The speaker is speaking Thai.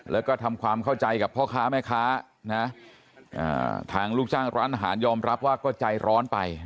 แล้วก็ทำความเข้าใจกับพ่อค้าแม่ค้านะทางลูกจ้างร้านอาหารยอมรับว่าก็ใจร้อนไป